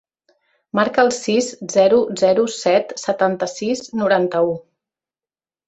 Marca el sis, zero, zero, set, setanta-sis, noranta-u.